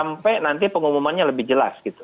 sampai nanti pengumumannya lebih jelas gitu